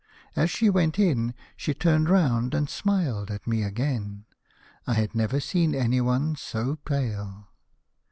As she went in, she turned round and smiled at me again. I had never seen anyone so pale.